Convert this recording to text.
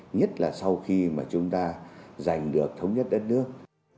nhất là sau khi mà chúng ta giành được thống nhất đất nước